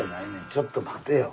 ちょっと待てよ。